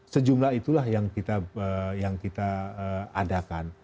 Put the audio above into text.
sejumlah itulah yang kita adakan